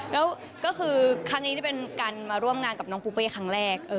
แล้วก็คือครั้งนี้เป็นการมาร่วมงานกับน้องปูเป้ครั้งแรก